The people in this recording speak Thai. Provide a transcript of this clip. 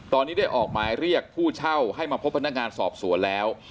ตอนนี้ได้ออกหมายเรียกผู้เช่าให้มาพบพนักงานสอบสวนแล้ว